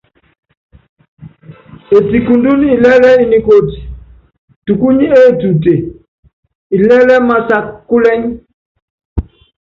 Etikundun ilɛ́lɛ́ i nikóti, tukuny etuute, ilɛ́lɛ́ i másak kúlɛ́ny.